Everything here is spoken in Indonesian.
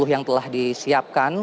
sepuluh yang telah disiapkan